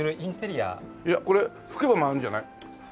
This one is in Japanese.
これ吹けば回るんじゃない？